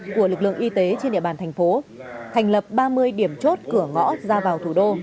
của lực lượng y tế trên địa bàn thành phố thành lập ba mươi điểm chốt cửa ngõ ra vào thủ đô